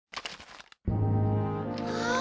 ああ！